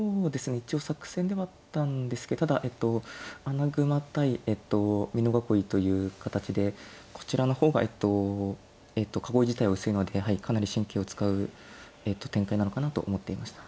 一応作戦ではあったんですけどただえっと穴熊対美濃囲いという形でこちらの方が囲い自体は薄いのでかなり神経を使う展開なのかなと思っていました。